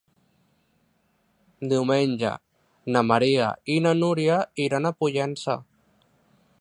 Diumenge na Maria i na Núria iran a Pollença.